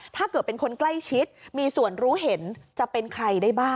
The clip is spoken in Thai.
ถ้าเกิดเป็นคนใกล้ชิดมีส่วนรู้เห็นจะเป็นใครได้บ้าง